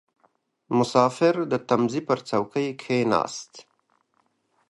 • مسافر د تمځي پر څوکۍ کښېناست.